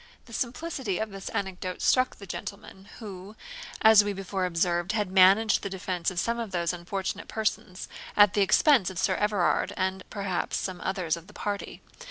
] The simplicity of this anecdote struck the gentleman, who, as we before observed, had managed the defence of some of those unfortunate persons, at the expense of Sir Everard, and perhaps some others of the party.